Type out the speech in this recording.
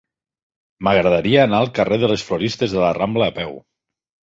M'agradaria anar al carrer de les Floristes de la Rambla a peu.